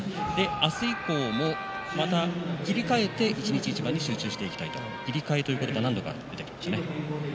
明日以降もまた切り替えて一日一番に集中していきたい切り替えという言葉が何度か出てきました。